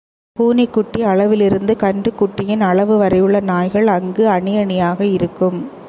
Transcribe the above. பூனைக்குட்டி அளவிலிருந்து கன்றுக் குட்டியின் அளவு வரையுள்ள நாய்கள் அங்கு அணி அணியாக இருக்கும்.